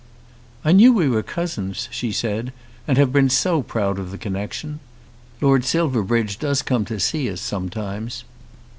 "I knew we were cousins," she said, "and have been so proud of the connection! Lord Silverbridge does come and see us sometimes."